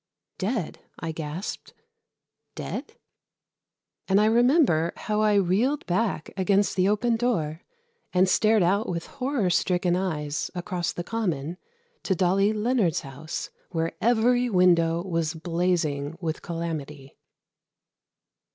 "Dead?" I gasped. "Dead?" and I remember how I reeled back against the open door and stared out with horror stricken eyes across the common to Dolly Leonard's house, where every window was blazing with calamity.